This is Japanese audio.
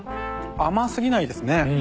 甘すぎないですね。